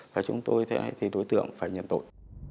và chúng tôi thì đối tượng phải nhận tội